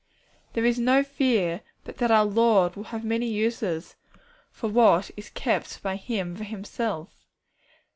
There is no fear but that our Lord will have many uses for what is kept by Him for Himself.